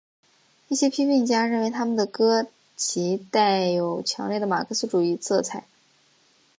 一些批评家认为他们的歌其带有强烈的马克思主义色彩。